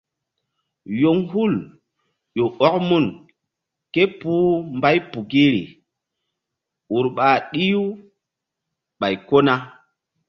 Yoŋhul ƴo ɔk mun ké puhbaypukiri ur ɓa ɗih-u ɓay ko na.